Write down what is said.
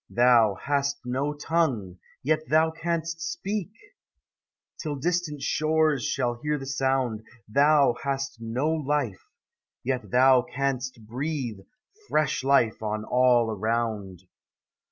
Thou hast no tongue, yet thou canst speak, Till distant shores shall hear the sound; Thou hast no life, yet thou canst breathe Fresh life on all around.